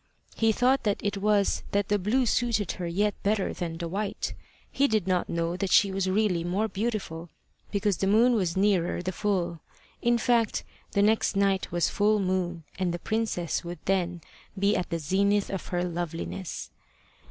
He thought it was that the blue suited her yet better than the white; he did not know that she was really more beautiful because the moon was nearer the full. In fact the next night was full moon, and the princess would then be at the zenith of her loveliness.